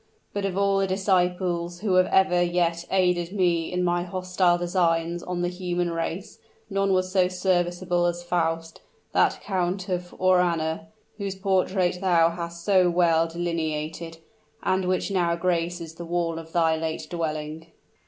But of all the disciples who have ever yet aided me in my hostile designs on the human race, none was so serviceable as Faust that Count of Aurana, whose portrait thou hast so well delineated, and which now graces the wall of thy late dwelling."